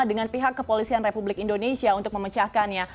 dengan pihak kepolisian republik indonesia untuk memecahkannya